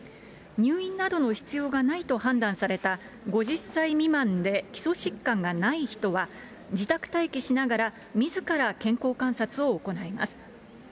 入院などの必要がないと判断された５０歳未満で基礎疾患がない人は、自宅待機しながら、みずから健康観察を行います。